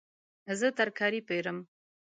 زه ترکاري پیرم